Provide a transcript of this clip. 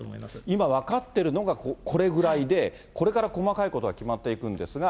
今、分かってるのが、これぐらいで、これから細かいことが決まっていくんですが、